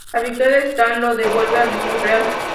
La victoria de Stan lo devuelve al mundo real.